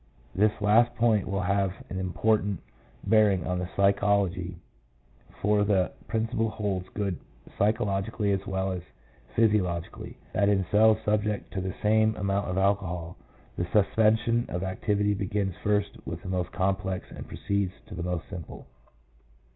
This last point will have an important bearing on the psychology, for the principle holds good psychologically as well as physiologically, that in cells subject to the same amount of alcohol, the suspension of activity begins first with the most complex and proceeds to the most simple.